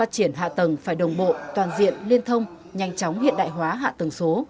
triển hạ tầng phải đồng bộ toàn diện liên thông nhanh chóng hiện đại hóa hạ tầng số